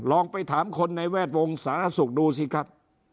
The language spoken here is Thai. ลองไปถามคนในแวดวงสาธารณสุขดูสิครับ